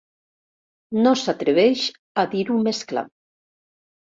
No s'atreveix a dir-ho més clar.